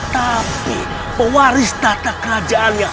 tapi pewaris tata kerajaannya